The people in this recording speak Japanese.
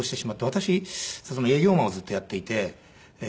私営業マンをずっとやっていて化粧品の。